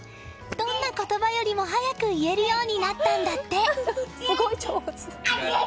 どんな言葉よりも早く言えるようになったんだって。